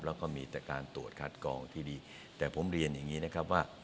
แล้วก็มีแต่การตรวจคัดกองที่ดีแต่ผมเรียนอย่างนี้นะครับว่า